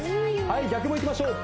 はい逆もいきましょう